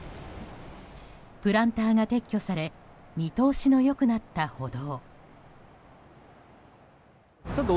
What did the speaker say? プランターが撤去され見通しの良くなった歩道。